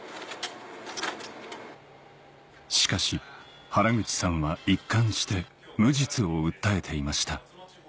しかし原口さんは一貫して無実を訴えていました